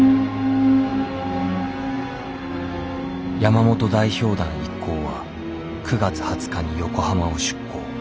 山本代表団一行は９月２０日に横浜を出港。